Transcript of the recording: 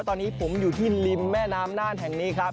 ตอนนี้ผมอยู่ที่ริมแม่น้ำน่านแห่งนี้ครับ